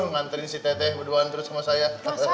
nganterin si teteh berduaan terus sama saya